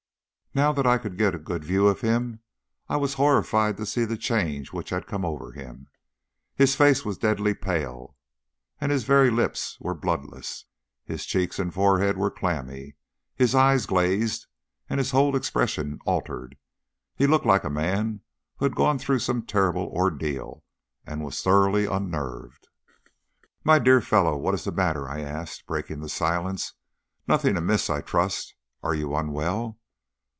Now that I could get a good view of him, I was horrified to see the change which had come over him. His face was deadly pale, and his very lips were bloodless. His cheeks and forehead were clammy, his eyes glazed, and his whole expression altered. He looked like a man who had gone through some terrible ordeal, and was thoroughly unnerved. "My dear fellow, what is the matter?" I asked, breaking the silence. "Nothing amiss, I trust? Are you unwell?"